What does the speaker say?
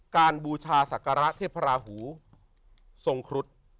การบูชาสัวกรเทพระหูทรงครุฑ